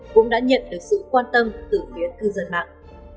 cũng đã nhận được sự quan tâm từ biến thư dân mạng